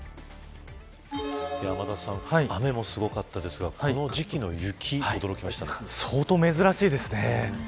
天達さん雨もすごかったですが相当珍しいですね。